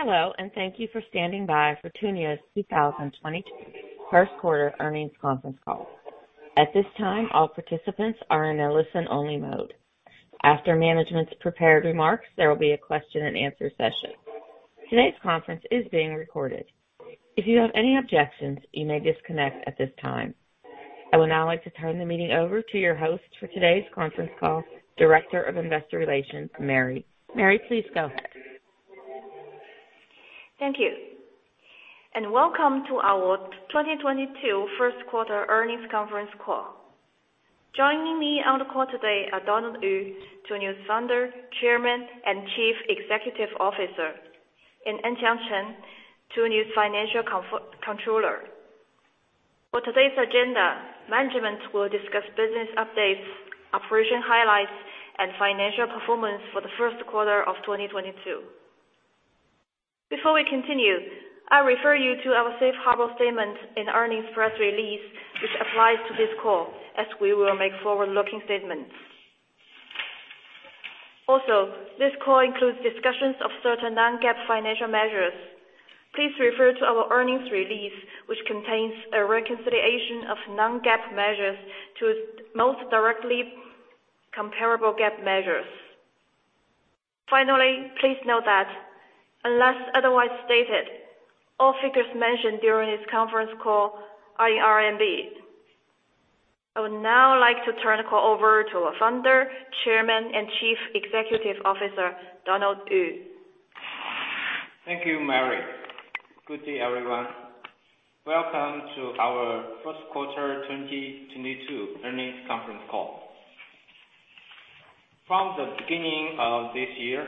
Hello, and thank you for standing by for Tuniu's 2022 First Quarter Earnings Conference Call. At this time, all participants are in a listen-only mode. After management's prepared remarks, there will be a question and answer session. Today's conference is being recorded. If you have any objections, you may disconnect at this time. I would now like to turn the meeting over to your host for today's conference call, Director of Investor Relations, Mary. Mary, please go ahead. Thank you, and welcome to our 2022 First Quarter Earnings Conference Call. Joining me on the call today are Donald Dunde Yu, Tuniu's Founder, Chairman, and Chief Executive Officer, and Anqiang Chen, Tuniu's Financial Controller. For today's agenda, management will discuss business updates, operation highlights, and financial performance for the first quarter of 2022. Before we continue, I refer you to our safe harbor statement in earnings press release which applies to this call, as we will make forward-looking statements. Also, this call includes discussions of certain non-GAAP financial measures. Please refer to our earnings release, which contains a reconciliation of non-GAAP measures to the most directly comparable GAAP measures. Finally, please note that unless otherwise stated, all figures mentioned during this conference call are in RMB. I would now like to turn the call over to our Founder, Chairman, and Chief Executive Officer, Donald Dunde Yu. Thank you, Mary. Good day, everyone. Welcome to our First Quarter 2022 Earnings Conference Call. From the beginning of this year,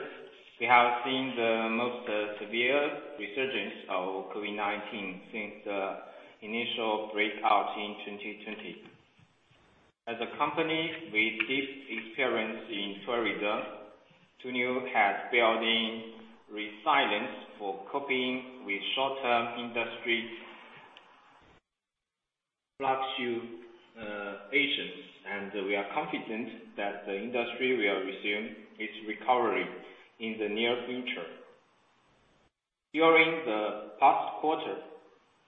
we have seen the most severe resurgence of COVID-19 since the initial outbreak in 2020. As a company with deep experience in tourism, Tuniu has built in resilience for coping with short-term industry fluctuation, patience, and we are confident that the industry will resume its recovery in the near future. During the past quarter,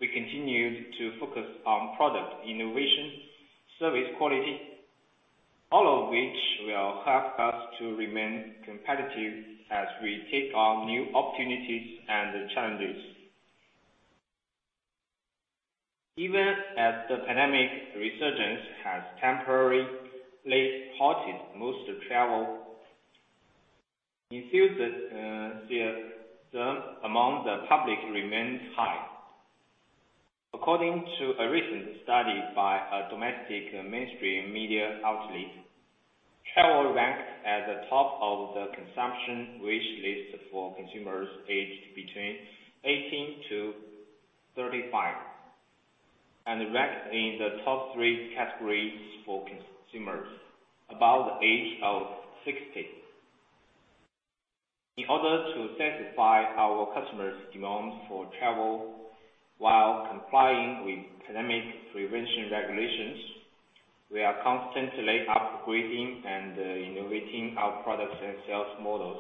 we continued to focus on product innovation, service quality, all of which will help us to remain competitive as we take on new opportunities and challenges. Even as the pandemic resurgence has temporarily halted most travel, enthusiasm among the public remains high. According to a recent study by a domestic mainstream media outlet, travel ranked at the top of the consumption wish list for consumers aged between 18-35, and ranked in the top three categories for consumers above the age of 60. In order to satisfy our customers' demands for travel while complying with pandemic prevention regulations, we are constantly upgrading and innovating our products and sales models.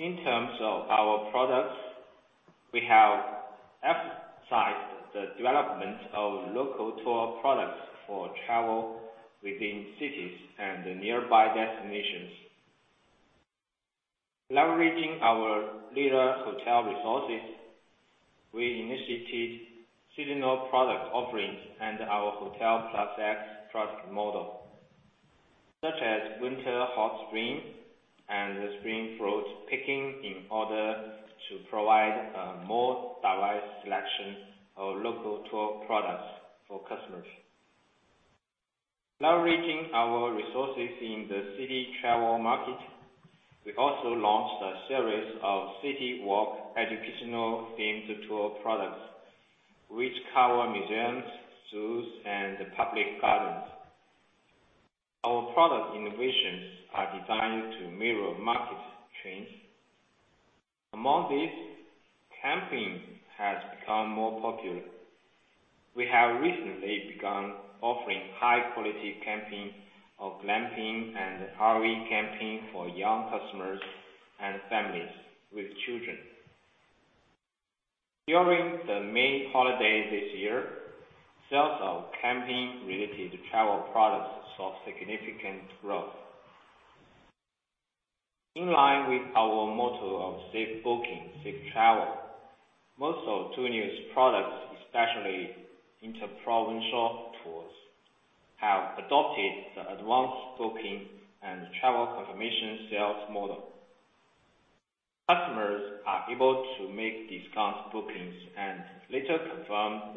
In terms of our products, we have emphasized the development of local tour products for travel within cities and nearby destinations. Leveraging our leading hotel resources, we initiated seasonal product offerings and our Hotel Plus X product model, such as winter hot spring and spring fruit picking in order to provide more diverse selection of local tour products for customers. Leveraging our resources in the city travel market, we also launched a series of city walk educational themed tour products, which cover museums, zoos, and public gardens. Our product innovations are designed to mirror market trends. Among these, camping has become more popular. We have recently begun offering high-quality camping or glamping and RV camping for young customers and families with children. During the May Day holiday this year, sales of camping related travel products saw significant growth. In line with our motto of safe booking, safe travel, most of Tuniu's products, especially inter-provincial tours, have adopted the advanced booking and travel confirmation sales model. Customers are able to make discount bookings and later confirm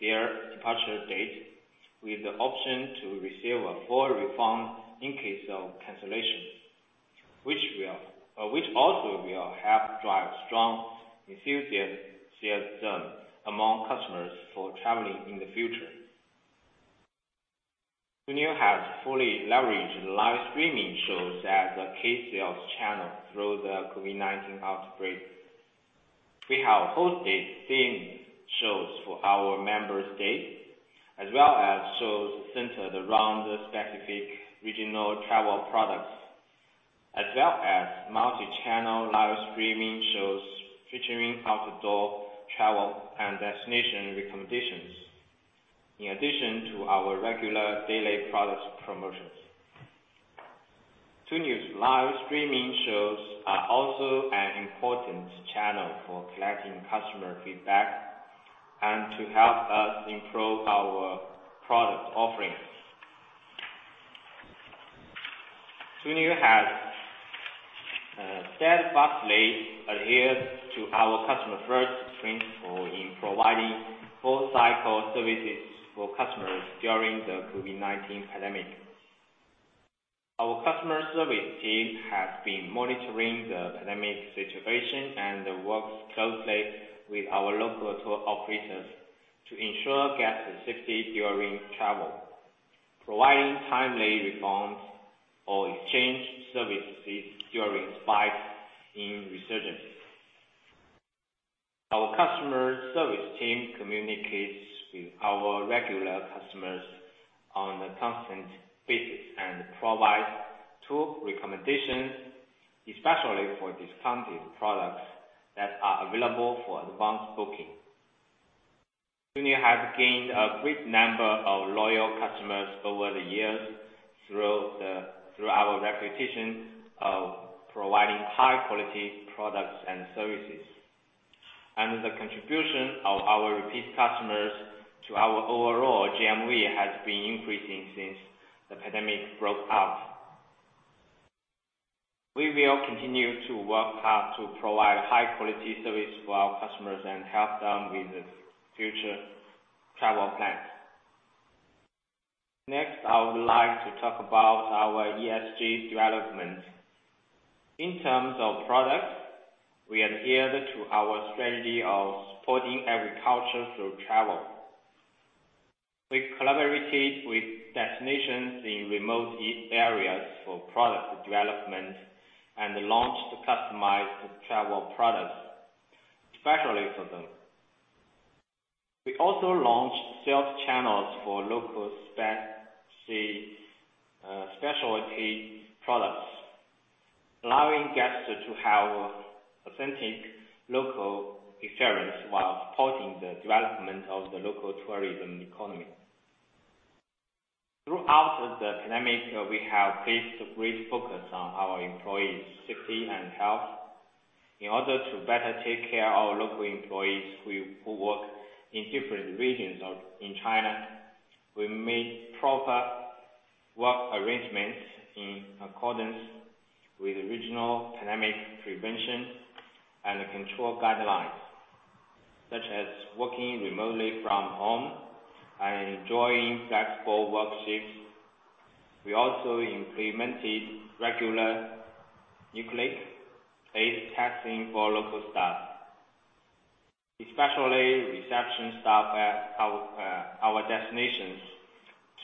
their departure date with the option to receive a full refund in case of cancellations, which also will help drive strong enthusiasm among customers for traveling in the future. Tuniu has fully leveraged live streaming shows as a key sales channel through the COVID-19 outbreak. We have hosted themed shows for our members day, as well as shows centered around the specific regional travel products. As well as multi-channel live streaming shows featuring outdoor travel and destination recommendations, in addition to our regular daily product promotions. Tuniu's live streaming shows are also an important channel for collecting customer feedback and to help us improve our product offerings. Tuniu's has steadfastly adhered to our customer first principle in providing full cycle services for customers during the COVID-19 pandemic. Our customer service team has been monitoring the pandemic situation and works closely with our local tour operators to ensure guest safety during travel, providing timely refunds or exchange services during spikes in resurgence. Our customer service team communicates with our regular customers on a constant basis, and provides tour recommendations, especially for discounted products that are available for advanced booking. Tuniu has gained a great number of loyal customers over the years through our reputation of providing high quality products and services. The contribution of our repeat customers to our overall GMV has been increasing since the pandemic broke out. We will continue to work hard to provide high quality service for our customers and help them with their future travel plans. Next, I would like to talk about our ESG development. In terms of products, we adhere to our strategy of supporting agriculture through travel. We collaborated with destinations in remote areas for product development and launched customized travel products, especially for them. We also launched sales channels for local spec. Specialty products, allowing guests to have authentic local experience while supporting the development of the local tourism economy. Throughout the pandemic, we have placed a great focus on our employees' safety and health. In order to better take care of our local employees who work in different regions in China, we made proper work arrangements in accordance with regional pandemic prevention and control guidelines, such as working remotely from home and enjoying flexible work shifts. We also implemented regular nucleic acid testing for local staff, especially reception staff at our destinations,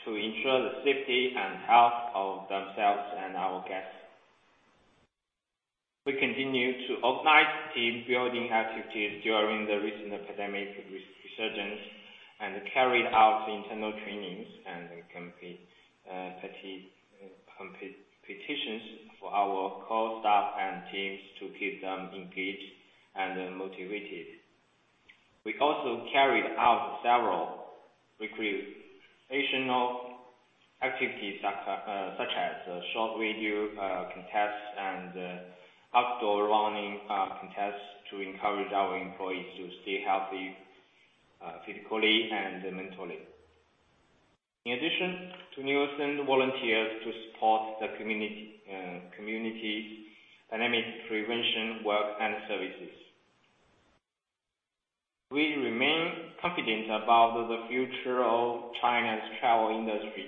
to ensure the safety and health of themselves and our guests. We continued to organize team building activities during the recent pandemic resurgence, and carried out internal trainings and competitions for our core staff and teams to keep them engaged and motivated. We also carried out several recreational activities such as short video contests and outdoor running contests to encourage our employees to stay healthy physically and mentally. In addition, Tuniu sent volunteers to support the community pandemic prevention work and services. We remain confident about the future of China's travel industry,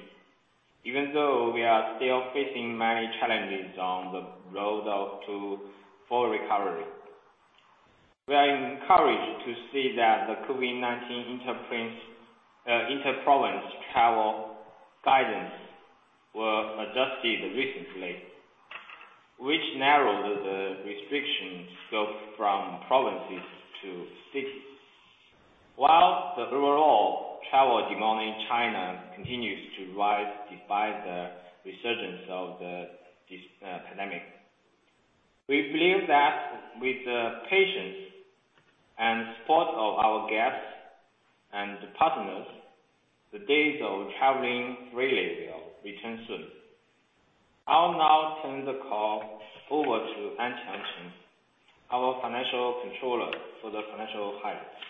even though we are still facing many challenges on the road up to full recovery. We are encouraged to see that the COVID-19 inter-province travel guidance were adjusted recently, which narrowed the restrictions scope from provinces to cities. While the overall travel demand in China continues to rise despite the resurgence of the pandemic. We believe that with the patience and support of our guests and partners, the days of traveling freely will return soon. I'll now turn the call over to Anqiang Chen, our Financial Controller for the financial highlights.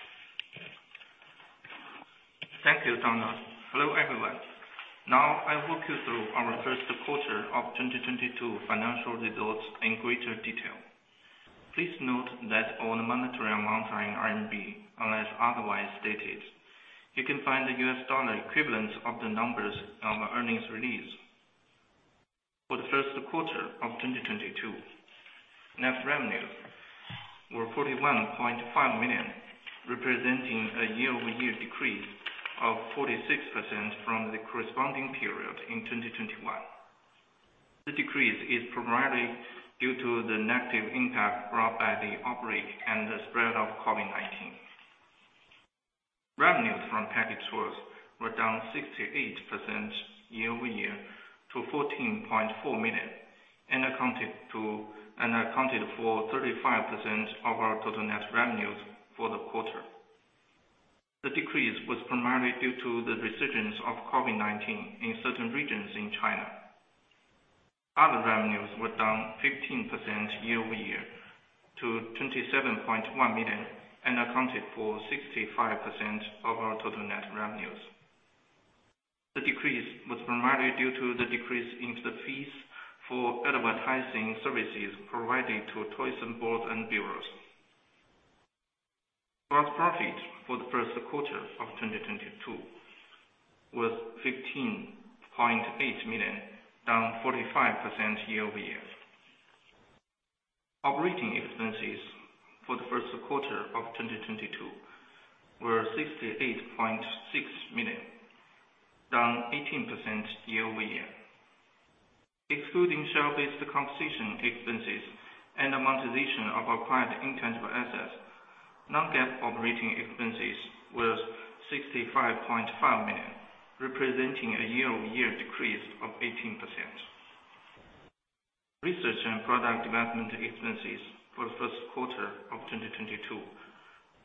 Thank you, Donald. Hello, everyone. Now I'll walk you through our first quarter of 2022 financial results in greater detail. Please note that all monetary amounts are in RMB, unless otherwise stated. You can find the U.S. dollar equivalents of the numbers on the earnings release. For the first quarter of 2022, net revenues were 41.5 million, representing a year-over-year decrease of 46% from the corresponding period in 2021. The decrease is primarily due to the negative impact brought by the outbreak and the spread of COVID-19. Revenues from package tours were down 68% year-over-year to 14.4 million, and accounted for 35% of our total net revenues for the quarter. The decrease was primarily due to the resurgence of COVID-19 in certain regions in China. Other revenues were down 15% year-over-year to 27.1 million, and accounted for 65% of our total net revenues. The decrease was primarily due to the decrease in the fees for advertising services provided to tourism boards and bureaus. Gross profit for the first quarter of 2022 was 15.8 million, down 45% year-over-year. Operating expenses for the first quarter of 2022 were 68.6 million, down 18% year-over-year. Excluding share-based compensation expenses and amortization of acquired intangible assets, non-GAAP operating expenses was 65.5 million, representing a year-over-year decrease of 18%. Research and product development expenses for the first quarter of 2022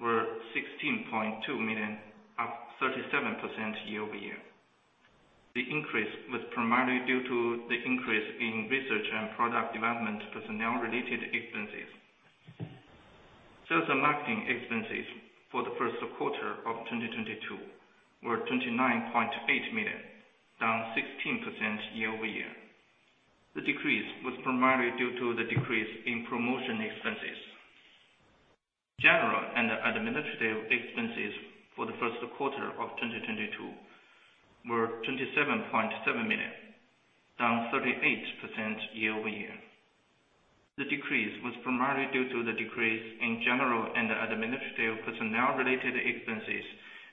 were 16.2 million, up 37% year-over-year. The increase was primarily due to the increase in research and product development personnel-related expenses. Sales and marketing expenses for the first quarter of 2022 were 29.8 million, down 16% year-over-year. The decrease was primarily due to the decrease in promotion expenses. General and administrative expenses for the first quarter of 2022 were 27.7 million, down 38% year-over-year. The decrease was primarily due to the decrease in general and administrative personnel-related expenses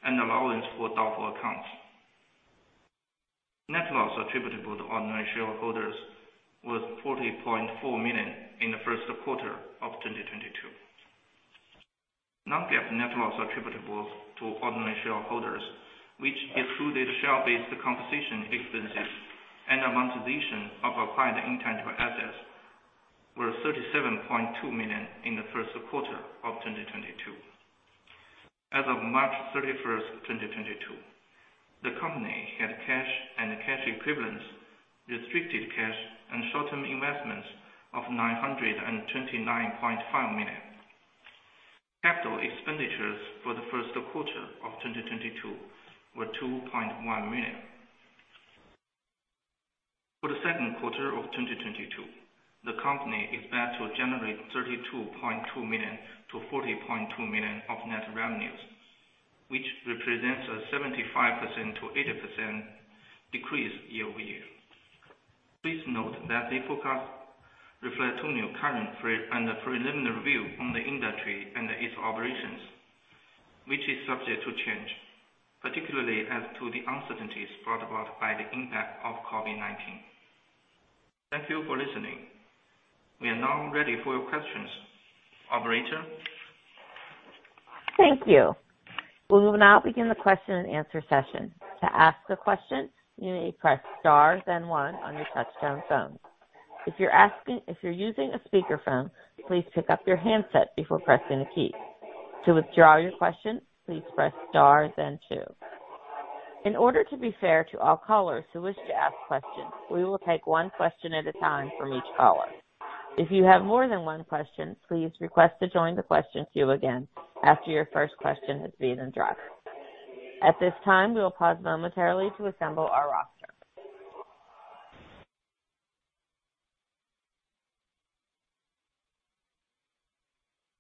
and allowance for doubtful accounts. Net loss attributable to ordinary shareholders was 40.4 million in the first quarter of 2022. Non-GAAP net loss attributable to ordinary shareholders, which excluded share-based compensation expenses and amortization of acquired intangible assets, were 37.2 million in the first quarter of 2022. As of March 31, 2022, the company had cash and cash equivalents, restricted cash and short-term investments of 929.5 million. Capital expenditures for the first quarter of 2022 were 2.1 million. For the second quarter of 2022, the company expects to generate 32.2 million-40.2 million of net revenues, which represents a 75%-80% decrease year-over-year. Please note that the forecast reflects Tuniu's current preliminary view on the industry and its operations, which is subject to change, particularly as to the uncertainties brought about by the impact of COVID-19. Thank you for listening. We are now ready for your questions. Operator? Thank you. We will now begin the question and answer session. To ask a question, you may press star then one on your touchtone phone. If you're using a speakerphone, please pick up your handset before pressing a key. To withdraw your question, please press star then two. In order to be fair to all callers who wish to ask questions, we will take one question at a time from each caller. If you have more than one question, please request to join the question queue again after your first question has been addressed. At this time, we will pause momentarily to assemble our roster.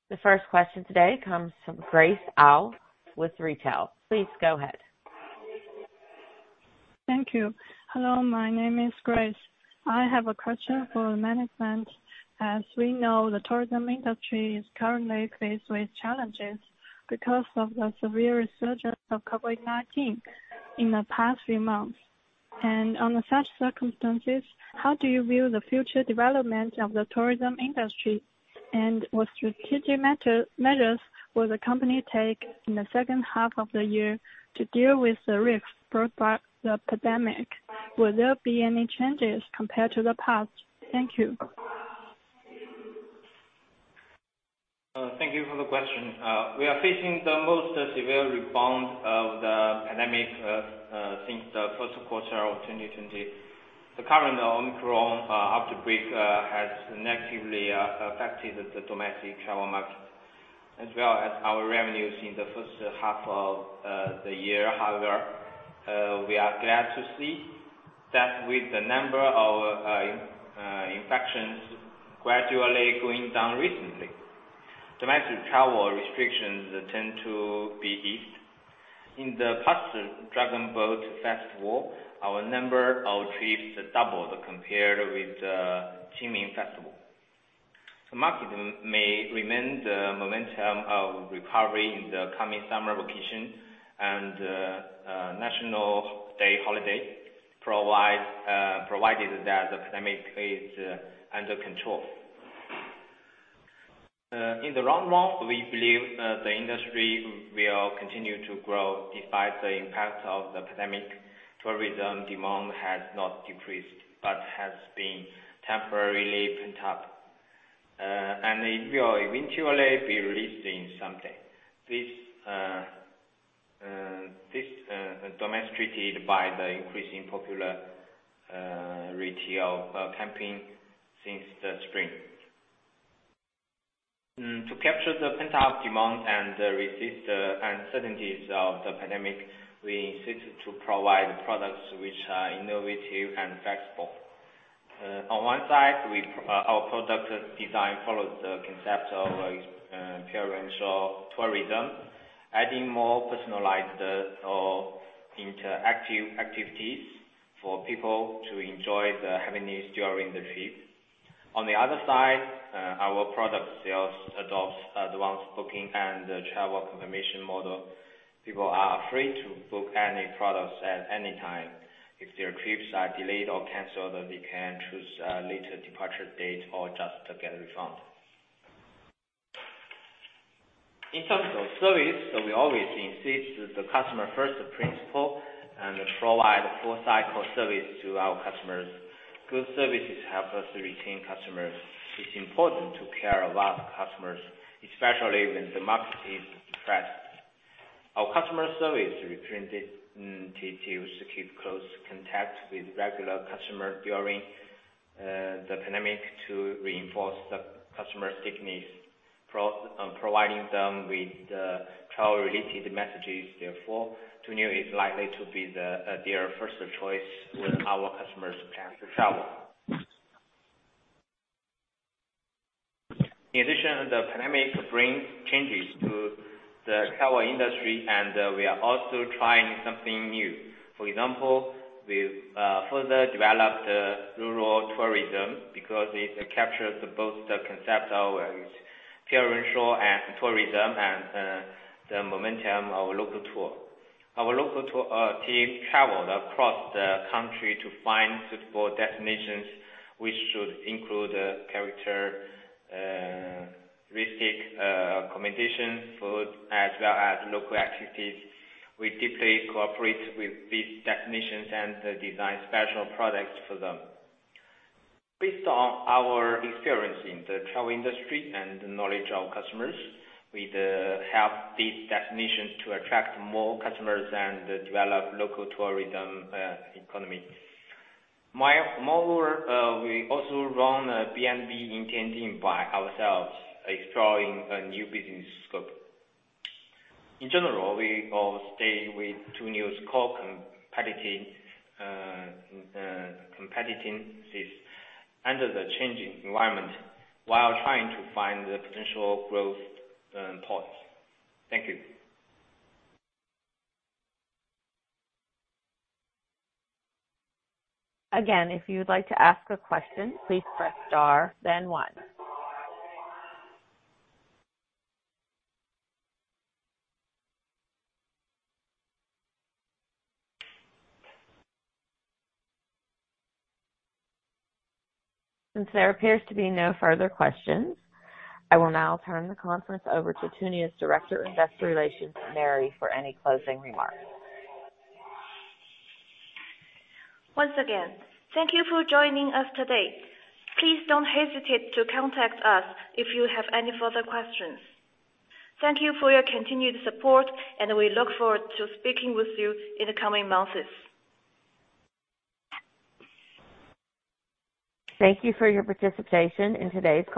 The first question today comes from Grace Au with 86Research. Please go ahead. Thank you. Hello, my name is Grace. I have a question for management. As we know, the tourism industry is currently faced with challenges because of the severe resurgence of COVID-19 in the past few months. Under such circumstances, how do you view the future development of the tourism industry? What strategic measure, measures will the company take in the second half of the year to deal with the risks brought by the pandemic? Will there be any changes compared to the past? Thank you. Thank you for the question. We are facing the most severe rebound of the pandemic since the first quarter of 2020. The current Omicron outbreak has negatively affected the domestic travel market, as well as our revenues in the first half of the year. However, we are glad to see that with the number of infections gradually going down recently, domestic travel restrictions tend to be eased. In the past Dragon Boat Festival, our number of trips doubled compared with the Qingming Festival. The market may maintain the momentum of recovery in the coming summer vacation and National Day holiday, provided that the pandemic is under control. In the long run, we believe the industry will continue to grow despite the impact of the pandemic. Tourism demand has not decreased, but has been temporarily pent-up, and it will eventually be released someday. This demonstrated by the increasingly popular retail campaign since the spring. To capture the pent-up demand and reduce the uncertainties of the pandemic, we seek to provide products which are innovative and flexible. On one side, our product design follows the concept of experiential tourism, adding more personalized interactive activities for people to enjoy the happiness during the trip. On the other side, our product sales adopts advanced booking and travel confirmation model. People are free to book any products at any time. If their trips are delayed or canceled, they can choose a later departure date or just get a refund. In terms of service, we always insist the customer first principle and provide full cycle service to our customers. Good services help us to retain customers. It's important to care about loyal customers, especially when the market is depressed. Our customer service representatives keep close contact with regular customers during the pandemic to reinforce the customer's stickiness, providing them with travel related messages. Therefore, Tuniu is likely to be their first choice when our customers plan to travel. In addition, the pandemic brings changes to the travel industry, and we are also trying something new. For example, we've further developed rural tourism because it captures both the concept of experiential and tourism and the momentum of local tour. Our local tour team traveled across the country to find suitable destinations, which should include characteristic accommodation, food, as well as local activities. We deeply cooperate with these destinations and design special products for them. Based on our experience in the travel industry and the knowledge of customers, we help these destinations to attract more customers and develop local tourism economy. Moreover, we also run a BnB in Tianjin by ourselves, exploring a new business scope. In general, we will stay with Tuniu's core competing competencies under the changing environment while trying to find the potential growth points. Thank you. Again, if you would like to ask a question, please press Star then one. Since there appears to be no further questions, I will now turn the conference over to Tuniu's Director of Investor Relations, Mary, for any closing remarks. Once again, thank you for joining us today. Please don't hesitate to contact us if you have any further questions. Thank you for your continued support, and we look forward to speaking with you in the coming months. Thank you for your participation in today's call.